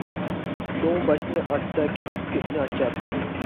چوڭ باشنى ئاچسا، كىچىك كۆتنى ئاچار